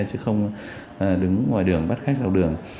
chứ không đứng ngoài đường bắt khách dạo đường